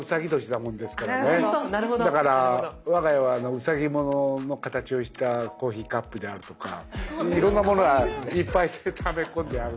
だから我が家はうさぎの形をしたコーヒーカップであるとかいろんなものがいっぱいため込んであるんですけど。